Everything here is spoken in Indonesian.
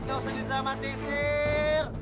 gak usah didramatisir